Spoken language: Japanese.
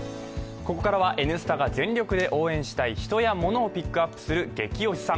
ここからは「Ｎスタ」が全力で応援したいヒトやモノをピックアップするゲキ推しさん。